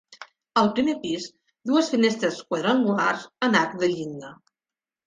Al primer pis, dues finestres quadrangulars en arc de llinda.